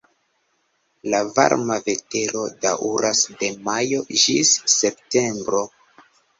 La varma vetero daŭras de majo ĝis septembro.